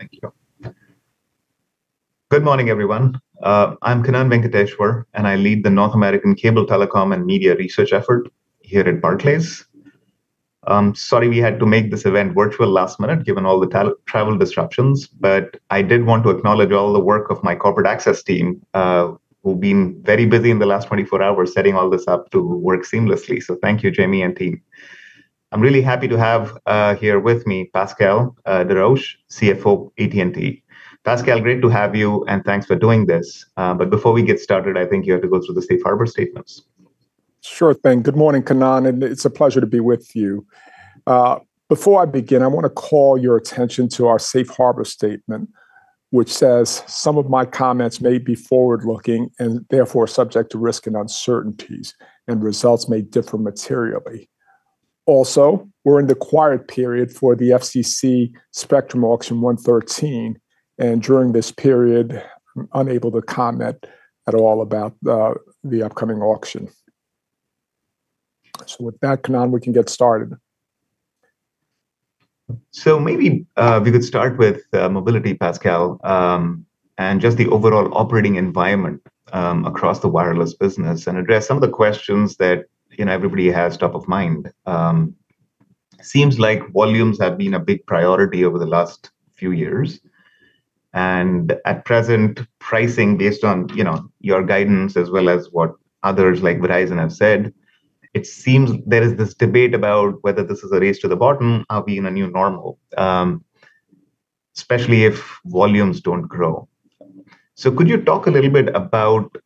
Thank you. Good morning, everyone. I'm Kannan Venkateshwar, and I lead the North American Cable Telecom and Media Research effort here at Barclays. I'm sorry we had to make this event virtual last minute, given all the travel disruptions, but I did want to acknowledge all the work of my corporate access team, who've been very busy in the last 24 hours, setting all this up to work seamlessly. Thank you, Jamie and team. I'm really happy to have here with me, Pascal Desroches, CFO, AT&T. Pascal, great to have you, and thanks for doing this. Before we get started, I think you have to go through the safe harbor statements. Sure thing. Good morning, Kannan, and it's a pleasure to be with you. Before I begin, I want to call your attention to our safe harbor statement, which says: Some of my comments may be forward-looking, and therefore subject to risk and uncertainties, and results may differ materially. Also, we're in the quiet period for the FCC Spectrum Auction 113, and during this period, I'm unable to comment at all about the upcoming auction. With that, Kannan, we can get started. Maybe we could start with mobility, Pascal, and just the overall operating environment across the wireless business and address some of the questions that, you know, everybody has top of mind. Seems like volumes have been a big priority over the last few years, and at present, pricing based on, you know, your guidance, as well as what others like Verizon have said, it seems there is this debate about whether this is a race to the bottom or being a new normal, especially if volumes don't grow. Could you talk a little bit about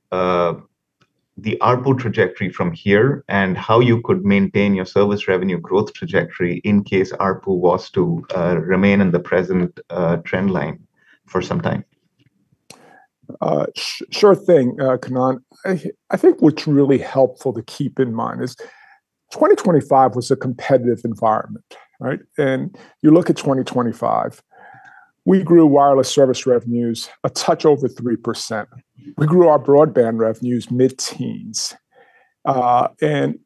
the ARPU trajectory from here and how you could maintain your service revenue growth trajectory in case ARPU was to remain in the present trend line for some time? Sure thing, Kannan. I think what's really helpful to keep in mind is 2025 was a competitive environment, right? You look at 2025, we grew wireless service revenues a touch over 3%. We grew our broadband revenues mid-teens, and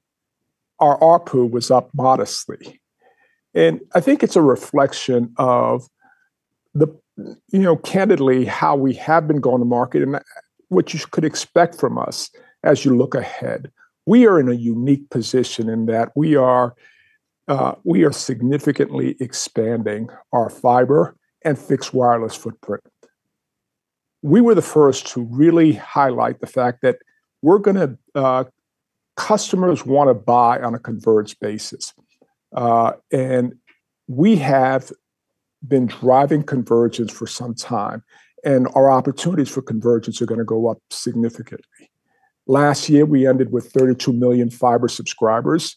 our ARPU was up modestly. I think it's a reflection of the, you know, candidly, how we have been going to market and what you could expect from us as you look ahead. We are in a unique position in that we are significantly expanding our fiber and fixed wireless footprint. We were the first to really highlight the fact that we're gonna customers want to buy on a converged basis, and we have been driving convergence for some time, and our opportunities for convergence are gonna go up significantly. Last year, we ended with 32 million fiber subscribers.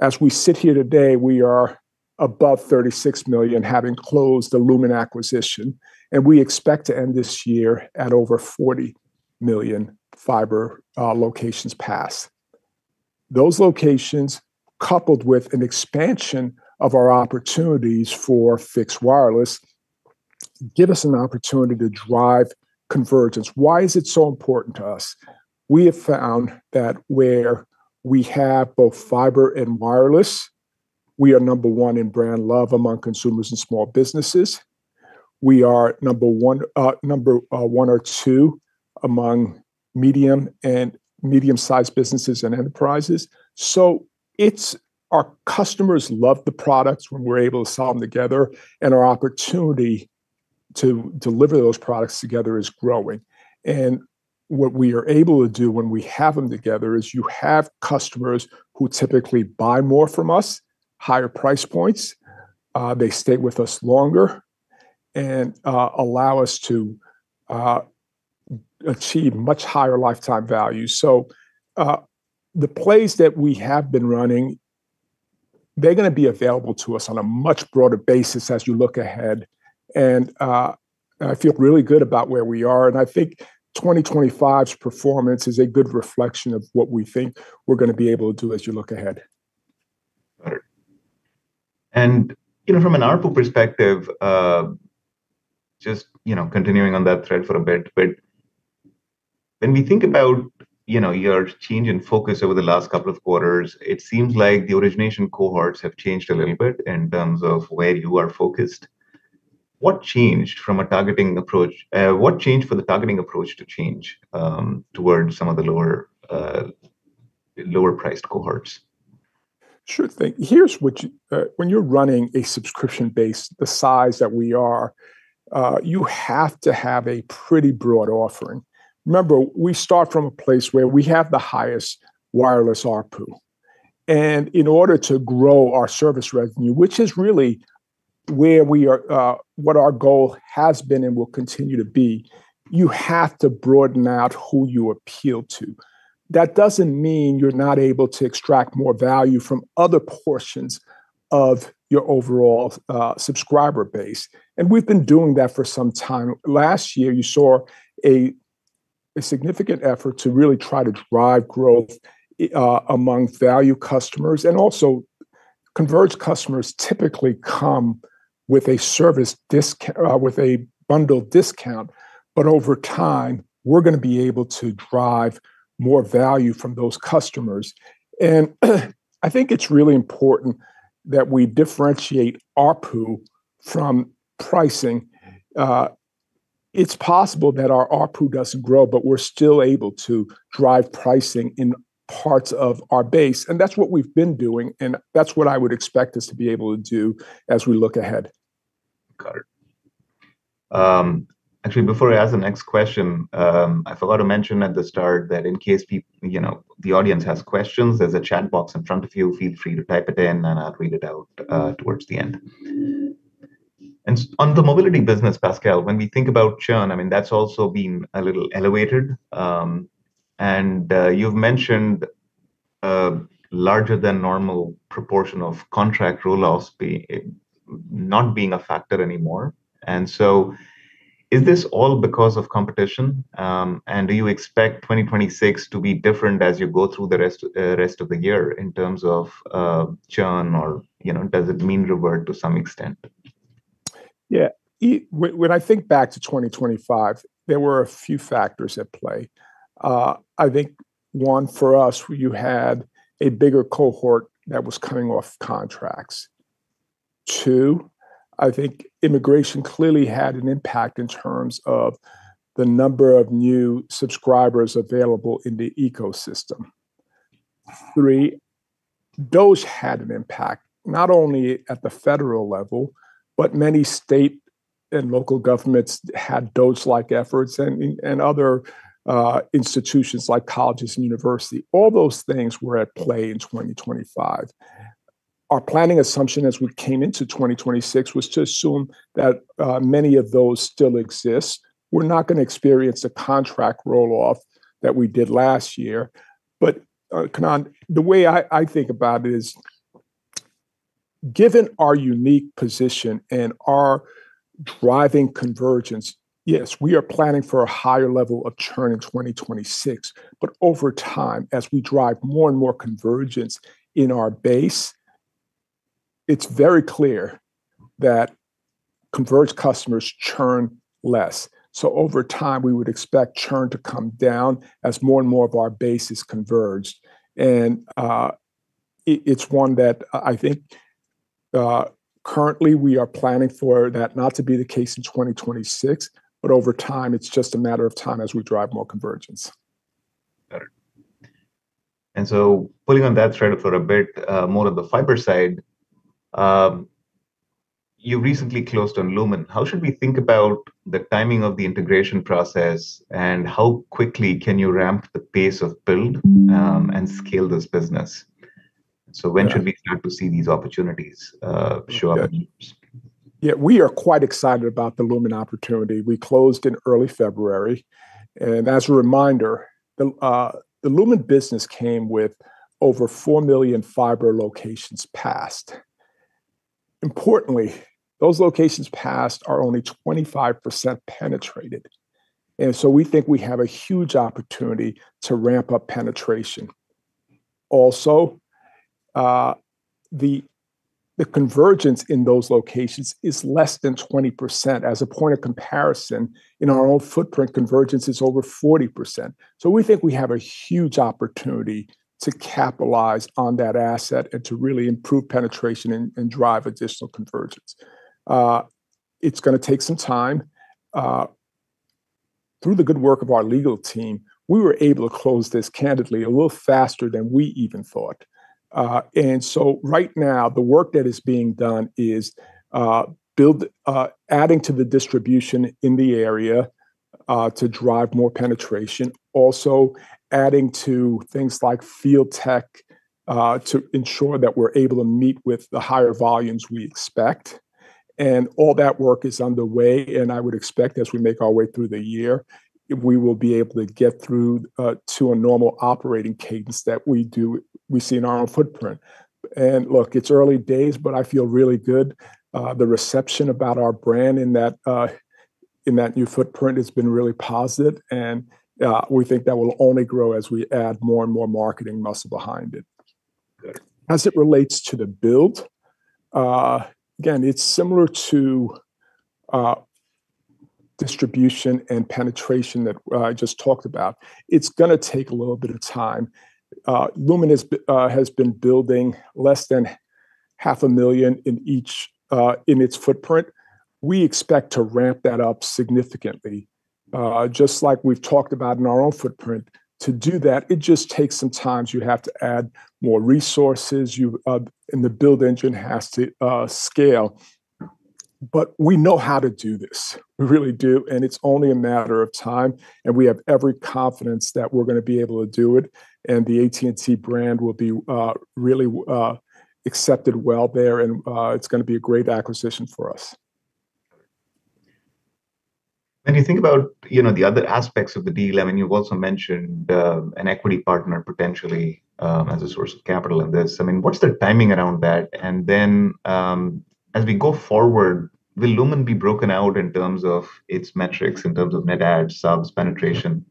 As we sit here today, we are above 36 million, having closed the Lumen acquisition, and we expect to end this year at over 40 million fiber locations passed. Those locations, coupled with an expansion of our opportunities for fixed wireless, give us an opportunity to drive convergence. Why is it so important to us? We have found that where we have both fiber and wireless, we are number 1 in brand love among consumers and small businesses. We are number 1 or 2 among medium and medium-sized businesses and enterprises. It's our customers love the products when we're able to sell them together, and our opportunity to deliver those products together is growing. What we are able to do when we have them together is you have customers who typically buy more from us, higher price points, they stay with us longer and allow us to achieve much higher lifetime value. The plays that we have been running, they're gonna be available to us on a much broader basis as you look ahead. I feel really good about where we are, and I think 2025's performance is a good reflection of what we think we're gonna be able to do as you look ahead. Got it. You know, from an ARPU perspective, just, you know, continuing on that thread for a bit, but when we think about, you know, your change in focus over the last couple of quarters, it seems like the origination cohorts have changed a little bit in terms of where you are focused. What changed from a targeting approach? What changed for the targeting approach to change towards some of the lower-priced cohorts? Sure thing. When you're running a subscription base the size that we are, you have to have a pretty broad offering. Remember, we start from a place where we have the highest wireless ARPU. In order to grow our service revenue, which is really what our goal has been and will continue to be, you have to broaden out who you appeal to. That doesn't mean you're not able to extract more value from other portions of your overall subscriber base. We've been doing that for some time. Last year, you saw a significant effort to really try to drive growth among value customers, and also converged customers typically come with a service with a bundled discount. Over time, we're gonna be able to drive more value from those customers. I think it's really important that we differentiate ARPU from pricing. It's possible that our ARPU doesn't grow, but we're still able to drive pricing in parts of our base, and that's what we've been doing, and that's what I would expect us to be able to do as we look ahead. Got it. Actually, before I ask the next question, I forgot to mention at the start that in case you know, the audience has questions, there's a chat box in front of you. Feel free to type it in, and I'll read it out towards the end. On the mobility business, Pascal, when we think about churn, I mean, that's also been a little elevated, and you've mentioned, a larger than normal proportion of contract roll-offs not being a factor anymore. Is this all because of competition? Do you expect 2026 to be different as you go through the rest of the year in terms of churn or, you know, does it mean revert to some extent? When I think back to 2025, there were a few factors at play. I think 1, for us, you had a bigger cohort that was coming off contracts. 2, I think immigration clearly had an impact in terms of the number of new subscribers available in the ecosystem. 3, DOGE had an impact not only at the federal level, but many state and local governments had DOGE-like efforts and other institutions, like colleges and university. All those things were at play in 2025. Our planning assumption as we came into 2026, was to assume that many of those still exist. We're not gonna experience a contract roll-off that we did last year, Kannan, the way I think about it is, given our unique position and our driving convergence, yes, we are planning for a higher level of churn in 2026, but over time, as we drive more and more convergence in our base, it's very clear that converged customers churn less. Over time, we would expect churn to come down as more and more of our base is converged. It, it's one that I think, currently we are planning for that not to be the case in 2026, but over time, it's just a matter of time as we drive more convergence. Got it. Pulling on that thread for a bit, more on the fiber side, you recently closed on Lumen. How should we think about the timing of the integration process, and how quickly can you ramp the pace of build, and scale this business? Yeah. When should we start to see these opportunities, show up? Yeah. We are quite excited about the Lumen opportunity. We closed in early February, As a reminder, the Lumen business came with over 4 million fiber locations passed. Importantly, those locations passed are only 25% penetrated, we think we have a huge opportunity to ramp up penetration. Also, the convergence in those locations is less than 20%. As a point of comparison, in our own footprint, convergence is over 40%. We think we have a huge opportunity to capitalize on that asset and to really improve penetration and drive additional convergence. It's gonna take some time, through the good work of our legal team, we were able to close this candidly, a little faster than we even thought. Right now, the work that is being done is. Adding to the distribution in the area to drive more penetration. Adding to things like field tech to ensure that we're able to meet with the higher volumes we expect. All that work is underway, and I would expect, as we make our way through the year, we will be able to get through to a normal operating cadence that we see in our own footprint. Look, it's early days, but I feel really good. The reception about our brand in that in that new footprint has been really positive, and we think that will only grow as we add more and more marketing muscle behind it. Good. As it relates to the build, again, it's similar to distribution and penetration that I just talked about. It's gonna take a little bit of time. Lumen has been building less than half a million in each, in its footprint. We expect to ramp that up significantly, just like we've talked about in our own footprint. To do that, it just takes some time. You have to add more resources, you, and the build engine has to scale. We know how to do this. We really do, and it's only a matter of time, and we have every confidence that we're gonna be able to do it, and the AT&T brand will be really accepted well there, and it's gonna be a great acquisition for us. When you think about, you know, the other aspects of the deal, I mean, you've also mentioned, an equity partner, potentially, as a source of capital in this. I mean, what's the timing around that? Then, as we go forward, will Lumen be broken out in terms of its metrics, in terms of net adds, subs, penetration,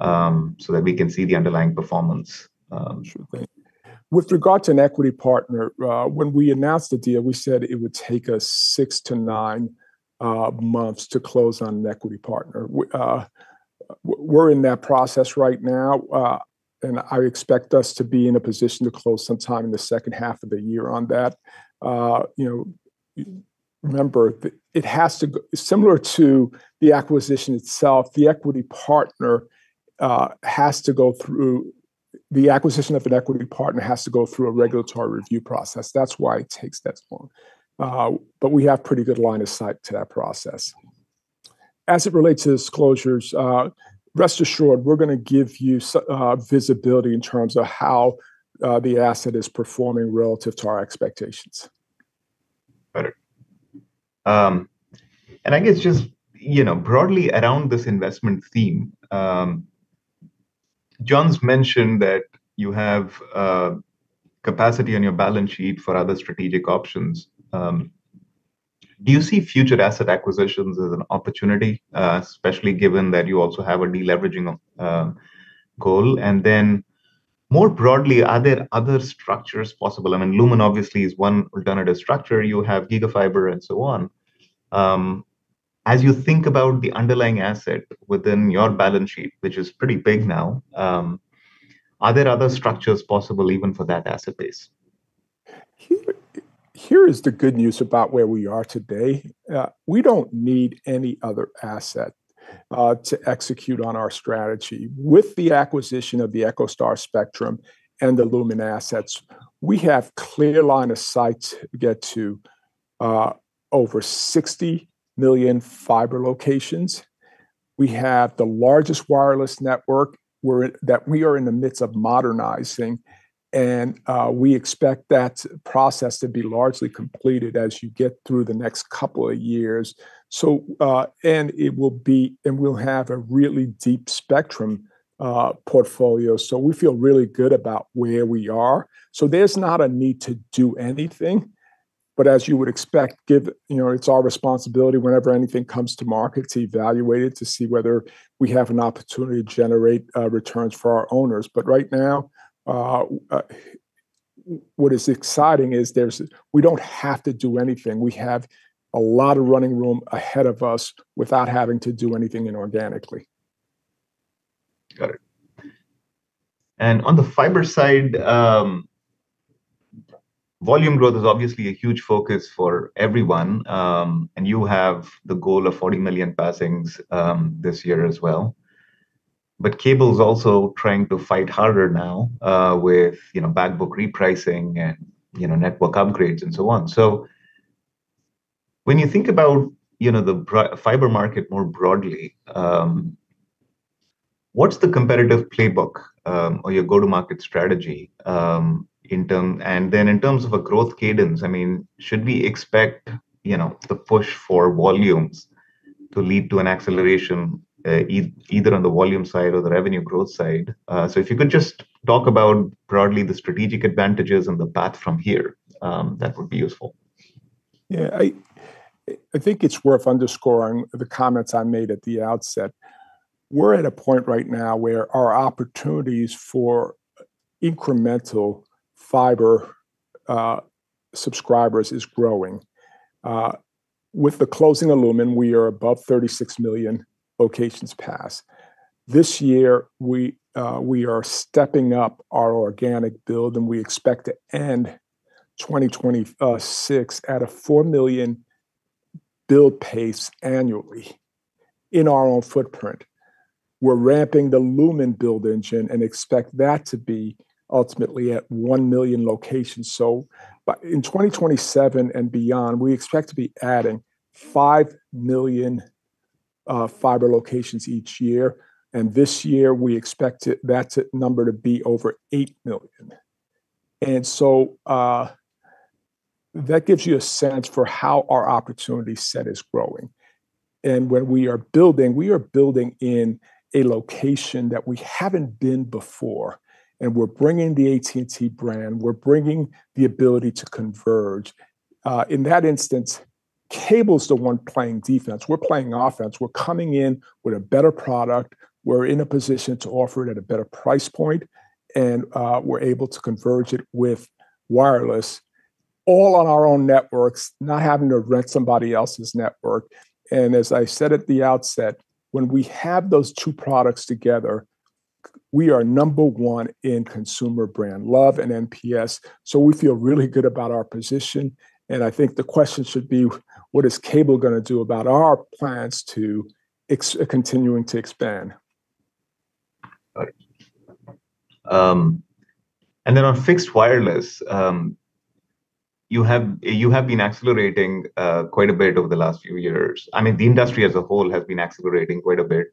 so that we can see the underlying performance. Sure thing. With regard to an equity partner, when we announced the deal, we said it would take us 6-9 months to close on an equity partner. We're in that process right now, and I expect us to be in a position to close sometime in the second half of the year on that. You know, remember, it has to go similar to the acquisition itself, the equity partner, the acquisition of an equity partner has to go through a regulatory review process. That's why it takes that long. We have pretty good line of sight to that process. As it relates to disclosures, rest assured, we're gonna give you visibility in terms of how the asset is performing relative to our expectations. Got it. I guess just, you know, broadly around this investment theme, John's mentioned that you have capacity on your balance sheet for other strategic options. Do you see future asset acquisitions as an opportunity, especially given that you also have a deleveraging of goal? Then, more broadly, are there other structures possible? I mean, Lumen obviously is one alternative structure. You have Gigafiber and so on. As you think about the underlying asset within your balance sheet, which is pretty big now, are there other structures possible even for that asset base? Here is the good news about where we are today. We don't need any other asset to execute on our strategy. With the acquisition of the EchoStar spectrum and the Lumen assets, we have clear line of sight to get to over 60 million fiber locations. We have the largest wireless network, that we are in the midst of modernizing, and we expect that process to be largely completed as you get through the next couple of years. And we'll have a really deep spectrum portfolio. We feel really good about where we are. There's not a need to do anything, but as you would expect, You know, it's our responsibility whenever anything comes to market, to evaluate it, to see whether we have an opportunity to generate returns for our owners. Right now, what is exciting is we don't have to do anything. We have a lot of running room ahead of us without having to do anything inorganically. Got it. On the fiber side, volume growth is obviously a huge focus for everyone, and you have the goal of 40 million passings this year as well. Cable's also trying to fight harder now, with, you know, back book repricing and, you know, network upgrades, and so on. When you think about, you know, the fiber market more broadly, what's the competitive playbook or your go-to-market strategy, and then in terms of a growth cadence, I mean, should we expect, you know, the push for volumes to lead to an acceleration either on the volume side or the revenue growth side? If you could just talk about broadly the strategic advantages and the path from here, that would be useful. I think it's worth underscoring the comments I made at the outset. We're at a point right now where our opportunities for incremental fiber subscribers is growing. With the closing of Lumen, we are above 36 million locations passed. This year, we are stepping up our organic build, and we expect to end 2026 at a 4 million build pace annually in our own footprint. We're ramping the Lumen build engine and expect that to be ultimately at 1 million locations. In 2027 and beyond, we expect to be adding 5 million fiber locations each year, and this year, we expect that number to be over 8 million. That gives you a sense for how our opportunity set is growing. When we are building, we are building in a location that we haven't been before, and we're bringing the AT&T brand, we're bringing the ability to converge. In that instance, cable's the one playing defense. We're playing offense. We're coming in with a better product, we're in a position to offer it at a better price point, and we're able to converge it with wireless, all on our own networks, not having to rent somebody else's network. As I said at the outset, when we have those two products together, we are number one in consumer brand love and NPS, so we feel really good about our position, and I think the question should be: What is cable gonna do about our plans to continuing to expand? Got it. On fixed wireless, you have been accelerating quite a bit over the last few years. I mean, the industry as a whole has been accelerating quite a bit.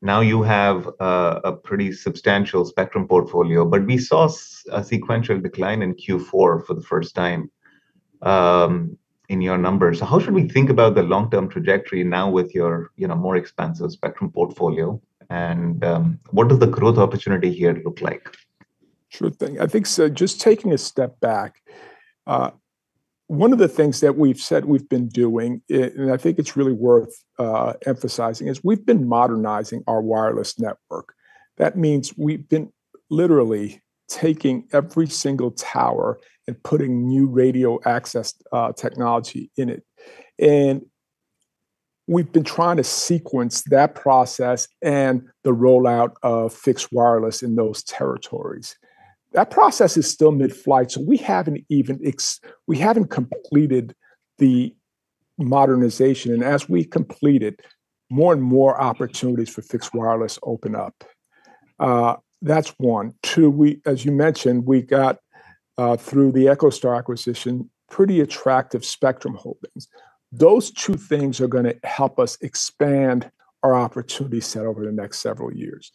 Now you have a pretty substantial spectrum portfolio, but we saw a sequential decline in Q4 for the first time in your numbers. How should we think about the long-term trajectory now with your, you know, more expansive spectrum portfolio, and what does the growth opportunity here look like? Sure thing. I think so just taking a step back, one of the things that we've said we've been doing, and I think it's really worth emphasizing, is we've been modernizing our wireless network. That means literally taking every single tower and putting new radio access technology in it. We've been trying to sequence that process and the rollout of fixed wireless in those territories. That process is still mid-flight, so we haven't even completed the modernization, and as we complete it, more and more opportunities for fixed wireless open up. That's one. Two, as you mentioned, we got through the EchoStar acquisition, pretty attractive spectrum holdings. Those two things are gonna help us expand our opportunity set over the next several years.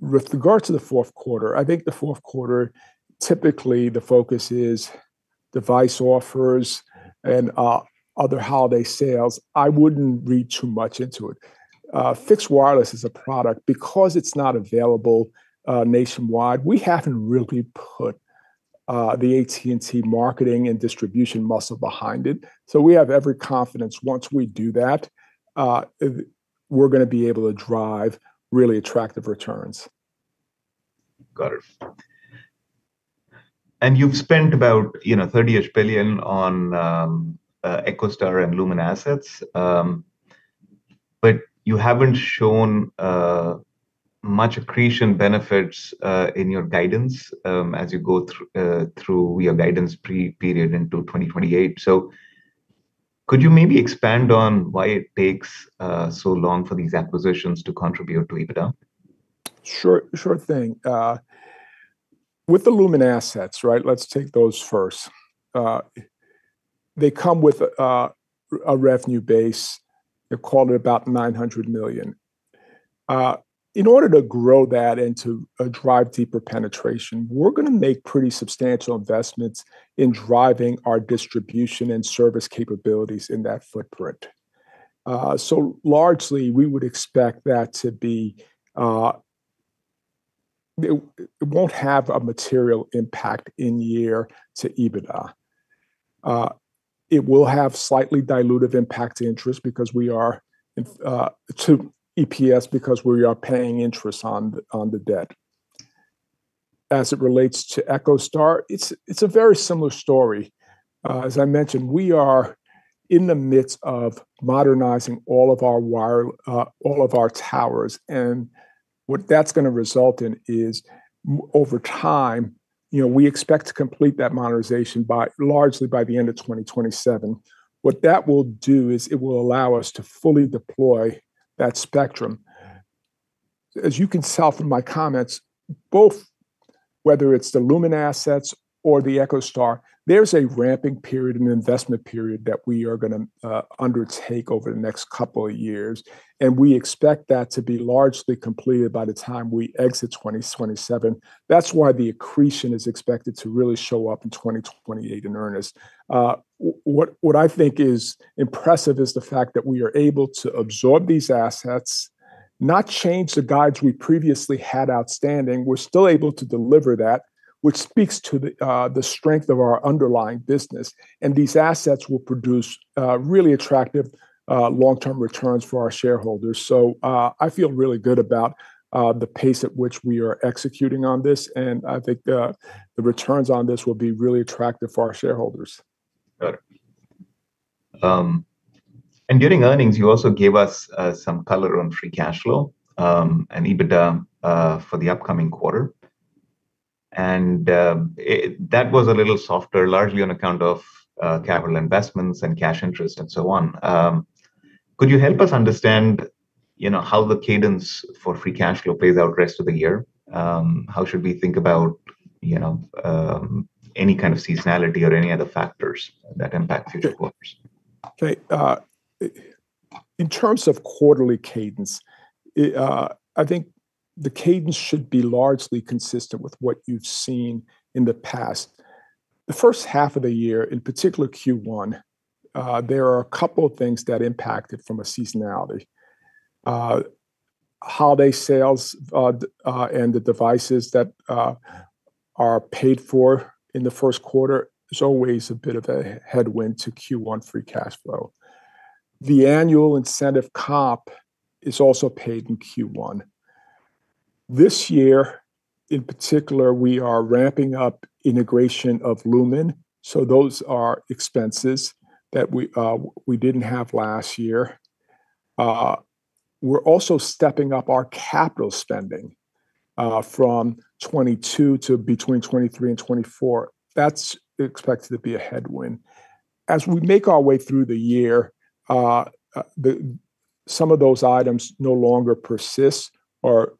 With regard to the fourth quarter, I think the fourth quarter, typically, the focus is device offers and other holiday sales. I wouldn't read too much into it. Fixed wireless is a product. Because it's not available nationwide, we haven't really put the AT&T marketing and distribution muscle behind it, so we have every confidence, once we do that, we're gonna be able to drive really attractive returns. Got it. You've spent about, you know, $30-ish billion on EchoStar and Lumen assets. You haven't shown much accretion benefits in your guidance, as you go through your guidance pre-period into 2028. Could you maybe expand on why it takes so long for these acquisitions to contribute to EBITDA? Sure, sure thing. With the Lumen assets, right? Let's take those first. They come with a revenue base, they call it, about $900 million. In order to grow that and to drive deeper penetration, we're gonna make pretty substantial investments in driving our distribution and service capabilities in that footprint. Largely, we would expect that to be. It won't have a material impact in year to EBITDA. It will have slightly dilutive impact to interest because we are in to EPS because we are paying interest on the debt. As it relates to EchoStar, it's a very similar story. As I mentioned, we are in the midst of modernizing all of our towers, and what that's gonna result in is, over time, you know, we expect to complete that modernization by, largely by the end of 2027. What that will do is it will allow us to fully deploy that spectrum. As you can tell from my comments, both whether it's the Lumen assets or the EchoStar, there's a ramping period and investment period that we are gonna undertake over the next couple of years, and we expect that to be largely completed by the time we exit 2027. That's why the accretion is expected to really show up in 2028 in earnest. What I think is impressive is the fact that we are able to absorb these assets, not change the guides we previously had outstanding. We're still able to deliver that, which speaks to the strength of our underlying business, and these assets will produce really attractive long-term returns for our shareholders. I feel really good about the pace at which we are executing on this, and I think the returns on this will be really attractive for our shareholders. Got it. During earnings, you also gave us some color on free cash flow and EBITDA for the upcoming quarter. That was a little softer, largely on account of capital investments and cash interest and so on. Could you help us understand, you know, how the cadence for free cash flow plays out rest of the year? How should we think about, you know, any kind of seasonality or any other factors that impact future quarters? Okay, in terms of quarterly cadence, I think the cadence should be largely consistent with what you've seen in the past. The first half of the year, in particular Q1, there are a couple of things that impacted from a seasonality. Holiday sales, the, and the devices that are paid for in the first quarter, there's always a bit of a headwind to Q1 free cash flow. The annual incentive comp is also paid in Q1. This year, in particular, we are ramping up integration of Lumen. Those are expenses that we didn't have last year. We're also stepping up our capital spending from 2022 to between 2023 and 2024. That's expected to be a headwind. As we make our way through the year, some of those items no longer persist or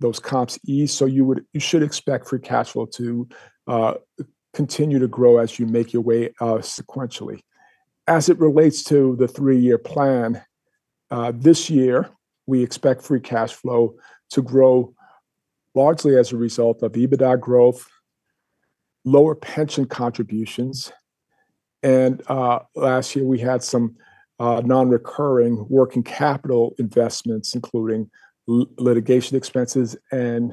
those comps ease, you should expect free cash flow to continue to grow as you make your way sequentially. As it relates to the 3-year plan, this year, we expect free cash flow to grow largely as a result of EBITDA growth, lower pension contributions, and last year we had some non-recurring working capital investments, including litigation expenses and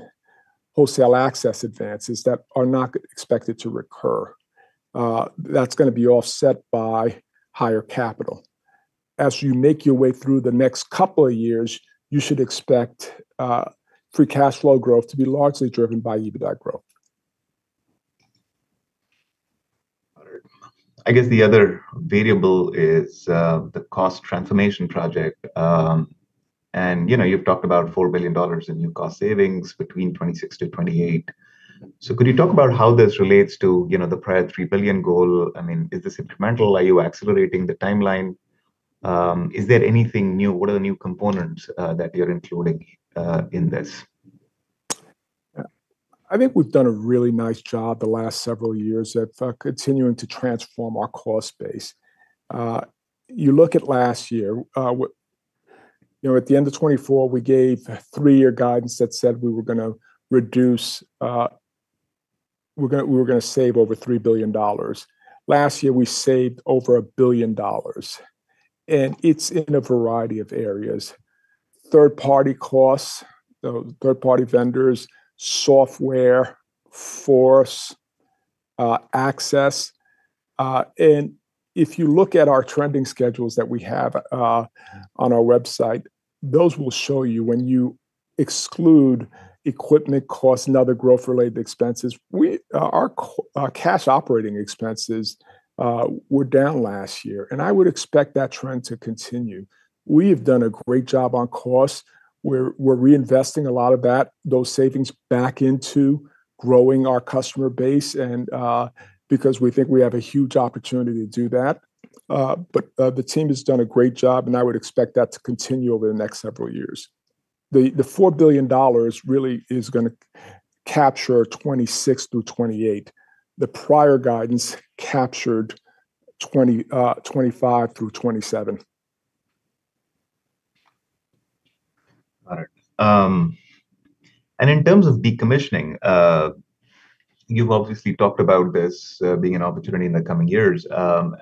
wholesale access advances that are not expected to recur. That's gonna be offset by higher capital. As you make your way through the next couple of years, you should expect free cash flow growth to be largely driven by EBITDA growth. Got it. I guess the other variable is, the cost transformation project. You know, you've talked about $4 billion in new cost savings between 2026-2028. Could you talk about how this relates to, you know, the prior $3 billion goal? I mean, is this incremental? Are you accelerating the timeline? Is there anything new? What are the new components, that you're including, in this? I think we've done a really nice job the last several years at continuing to transform our cost base. You look at last year, you know, at the end of 2024, we gave a 3-year guidance that said we were gonna reduce, we were gonna save over $3 billion. Last year, we saved over $1 billion, and it's in a variety of areas. third-party costs, the third-party vendors, software, force, access. If you look at our trending schedules that we have on our website, those will show you when you exclude equipment costs and other growth-related expenses. Our cash operating expenses were down last year, and I would expect that trend to continue. We've done a great job on cost. We're reinvesting a lot of that, those savings, back into growing our customer base, and because we think we have a huge opportunity to do that. The team has done a great job, and I would expect that to continue over the next several years. The $4 billion really is gonna capture 2026-2028. The prior guidance captured 2025-2027. Got it. In terms of decommissioning, you've obviously talked about this being an opportunity in the coming years. The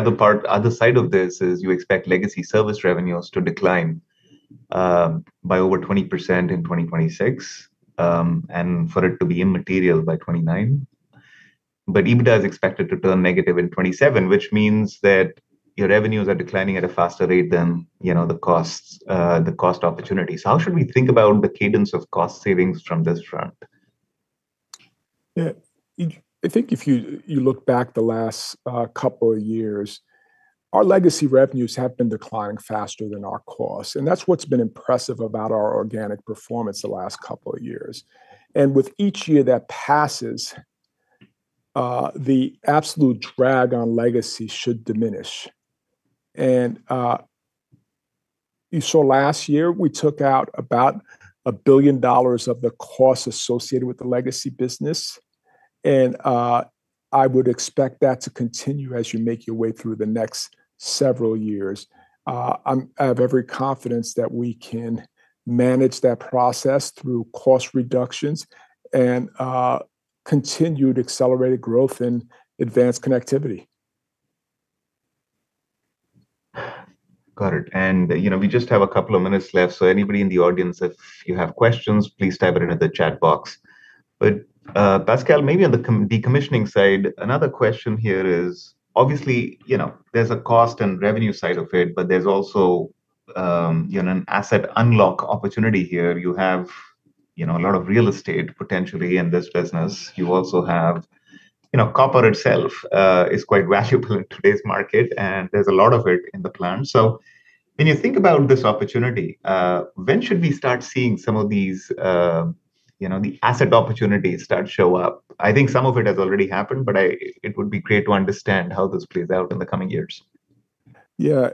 other part, other side of this is you expect legacy service revenues to decline by over 20% in 2026, and for it to be immaterial by 2029. EBITDA is expected to turn negative in 2027, which means that your revenues are declining at a faster rate than, you know, the costs, the cost opportunities. How should we think about the cadence of cost savings from this front? Yeah. I think if you look back the last couple of years, our legacy revenues have been declining faster than our costs. That's what's been impressive about our organic performance the last couple of years. With each year that passes, the absolute drag on legacy should diminish. You saw last year, we took out about $1 billion of the costs associated with the legacy business. I would expect that to continue as you make your way through the next several years. I have every confidence that we can manage that process through cost reductions and continued accelerated growth in advanced connectivity. Got it. You know, we just have a couple of minutes left, so anybody in the audience, if you have questions, please type it into the chat box. Pascal, maybe on the decommissioning side, another question here is, obviously, you know, there's a cost and revenue side of it, but there's also, you know, an asset unlock opportunity here. You have, you know, a lot of real estate potentially in this business. You also have, you know, copper itself, is quite valuable in today's market, and there's a lot of it in the plant. When you think about this opportunity, when should we start seeing some of these, you know, the asset opportunities start to show up? I think some of it has already happened, but it would be great to understand how this plays out in the coming years. Yeah.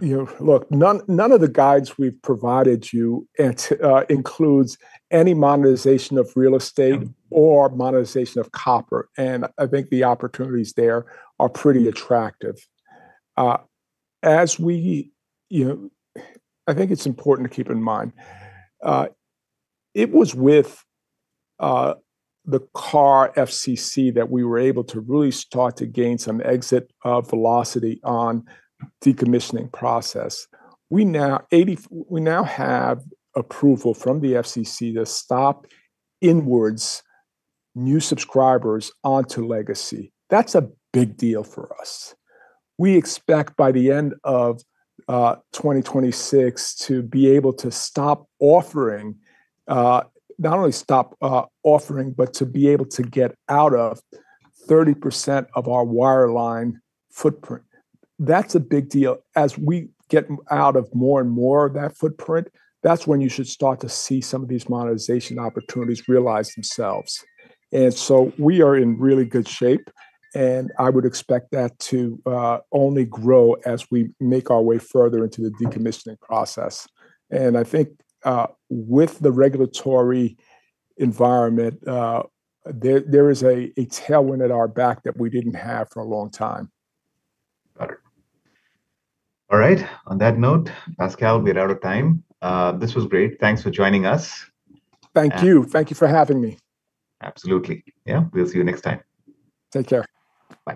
You know, look, none of the guides we've provided you, it includes any monetization of real estate. Yeah Or monetization of copper, I think the opportunities there are pretty attractive. As we, you know, I think it's important to keep in mind, it was with the CAR FCC that we were able to really start to gain some exit velocity on decommissioning process. We now have approval from the FCC to stop inwards new subscribers onto legacy. That's a big deal for us. We expect by the end of 2026 to be able to stop offering, not only stop offering, but to be able to get out of 30% of our wireline footprint. That's a big deal. As we get out of more and more of that footprint, that's when you should start to see some of these monetization opportunities realize themselves. We are in really good shape, and I would expect that to only grow as we make our way further into the decommissioning process. I think, with the regulatory environment, there is a tailwind at our back that we didn't have for a long time. Got it. All right. On that note, Pascal, we're out of time. This was great. Thanks for joining us. Thank you. And- Thank you for having me. Absolutely. Yeah, we'll see you next time. Take care.